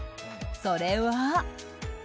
それは。